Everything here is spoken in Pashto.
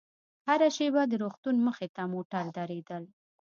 هره شېبه د روغتون مخې ته موټر درېدل.